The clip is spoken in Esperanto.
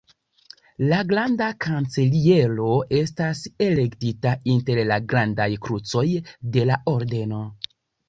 La granda kanceliero estas elektita inter la grandaj krucoj de la ordeno.